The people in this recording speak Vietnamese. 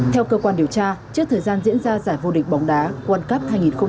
theo cơ quan điều tra trước thời gian diễn ra giải vô địch bóng đá world cup hai nghìn hai mươi ba